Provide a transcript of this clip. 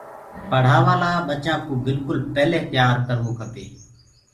پڙهآوآ لآ ٻچآن ڪو بِلڪُل پيلي تيآ ڪروو ڪپي